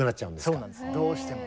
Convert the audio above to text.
そうなんですどうしても。